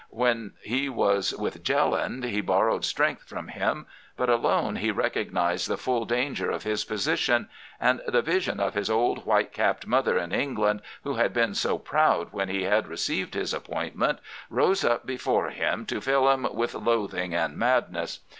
When he was with Jelland he borrowed strength from him; but alone he recognized the full danger of his position, and the vision of his old white capped mother in England, who had been so proud when he had received his appointment, rose up before him to fill him with loathing and madness.